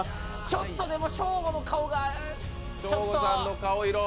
ちょっとショーゴの顔がちょっと。